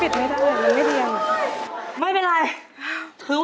อีสี่ใบทุกนัก